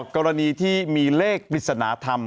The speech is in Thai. กรณีที่มีเลขปริศนธรรม